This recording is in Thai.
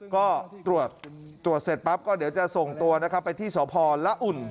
ก็ตรวจตรวจเสร็จปั๊บก็เดี๋ยวจะส่งตัวนะครับไปที่สพละอุ่น